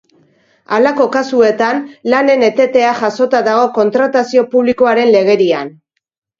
Halako kasuetan, lanen etetea jasota dago kontratazio publikoaren legerian.